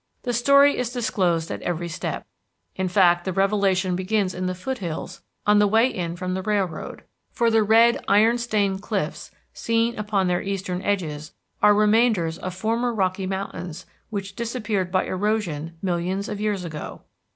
The story is disclosed at every step. In fact the revelation begins in the foothills on the way in from the railroad, for the red iron stained cliffs seen upon their eastern edges are remainders of former Rocky Mountains which disappeared by erosion millions of years ago.